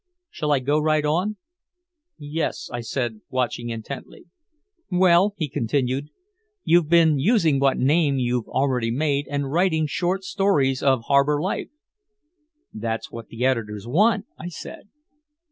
Shall I go right on?" "Yes," I said, watching intently. "Well," he continued, "you've been using what name you've already made and writing short stories of harbor life." "That's what the editors want," I said.